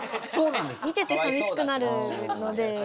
見ててさみしくなるので。